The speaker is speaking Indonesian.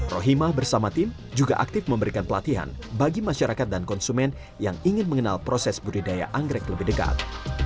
rohima bersama tim juga aktif memberikan pelatihan bagi masyarakat dan konsumen yang ingin mengenal proses budidaya anggrek lebih dekat